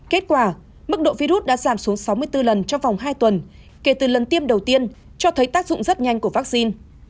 kết quả mức độ virus đã giảm xuống sáu mươi bốn lần trong vòng hai tuần kể từ lần tiêm đầu tiên cho thấy tác dụng rất nhanh của vaccine